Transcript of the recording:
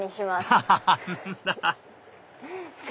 アハハハ